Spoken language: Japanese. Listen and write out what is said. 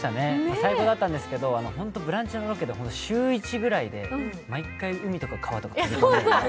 最高だったんですけど、本当「ブランチ」のロケで週１くらいで毎回、海とか川とか行くんですよ。